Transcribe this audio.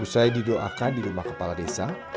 usai didoakan di rumah kepala desa